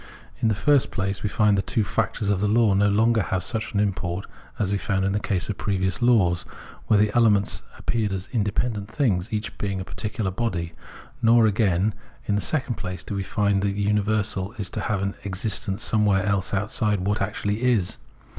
In the fixst place, we find that the two factors of the law no longer have such an import as we found in the case of previous laws, where the elements appeared as independent things, each being a particular body ; nor, again, in the second place, do we find that the universal is to have its existence somewhere else outside what actually is.